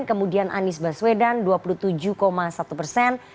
kemudian anies baswedan dua puluh tujuh satu persen